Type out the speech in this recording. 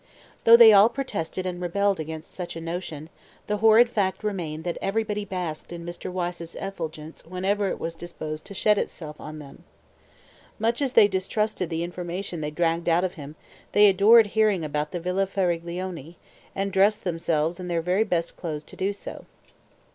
Though they all protested and rebelled against such a notion, the horrid fact remained that everybody basked in Mr. Wyse's effulgence whenever it was disposed to shed itself on them. Much as they distrusted the information they dragged out of him, they adored hearing about the Villa Faraglione, and dressed themselves in their very best clothes to do so.